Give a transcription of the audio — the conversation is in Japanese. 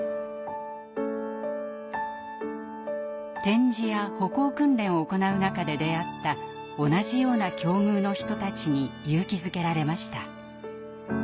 点字や歩行訓練を行う中で出会った同じような境遇の人たちに勇気づけられました。